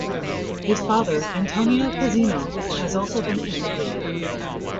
His father, Antonino Pezzino, has also been implicated.